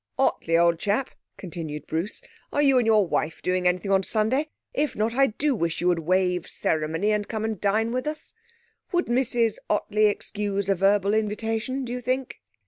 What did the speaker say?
''Ottley, old chap,'' continued Bruce, ''are you and your wife doing anything on Sunday? If not, I do wish you would waive ceremony and come and dine with us. Would Mrs Ottley excuse a verbal invitation, do you think?'